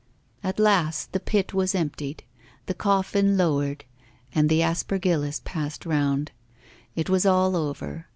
At last the pit was emptied, the coffin lowered, and the aspergillus passed round. It was all over.